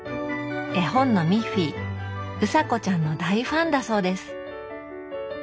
絵本のミッフィーうさこちゃんの大ファンだそうです。